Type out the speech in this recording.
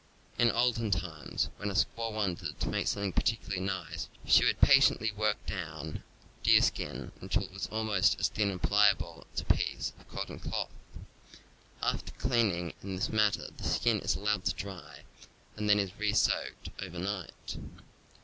In olden times, when a squaw wanted to make something particularly nice, she would patiently work Fig. 21. Indian Skin Scraper. down a deerskin until it was almost as thin and pliable as a piece of cotton cloth. After cleaning in this man ner the skin is allowed to dry and then is re soaked over night.